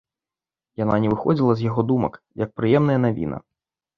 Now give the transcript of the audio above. Яна не выходзіла з яго думак, як прыемная навіна.